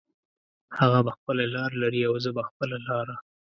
هغه به خپله لار لري او زه به خپله لاره